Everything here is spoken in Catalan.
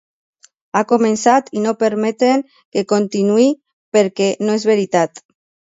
Ha començat i no permetrem que continuï perquè no és veritat.